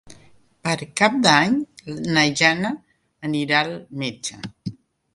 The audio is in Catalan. Per Cap d'Any na Jana anirà al metge.